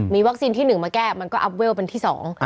มีวัคซีนที่๑มาแก้มันก็อัพเวลเป็นที่๒